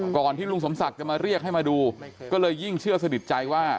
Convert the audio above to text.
ที่ลุงสมศักดิ์จะมาเรียกให้มาดูก็เลยยิ่งเชื่อสนิทใจว่า